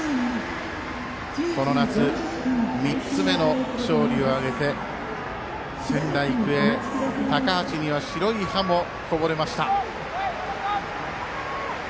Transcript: この夏、３つ目の勝利を挙げて仙台育英、高橋には白い歯もこぼれました。